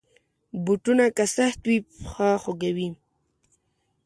بوټونه که سخت وي، پښه خوږوي.